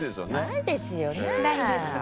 ないですね。